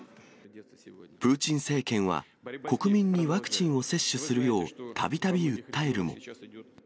プーチン政権は、国民にワクチンを接種するようたびたび訴えるも。